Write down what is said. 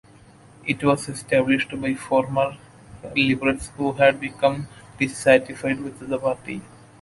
It was established by former Liberals who had become dissatisfied with the party.